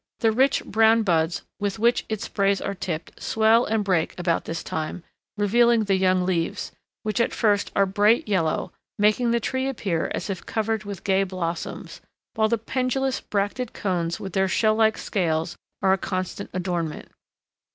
The rich brown buds with which its sprays are tipped swell and break about this time, revealing the young leaves, which at first are bright yellow, making the tree appear as if covered with gay blossoms; while the pendulous bracted cones with their shell like scales are a constant adornment.